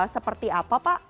seperti apa pak